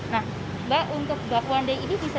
nah mbak untuk bakwan day ini bisa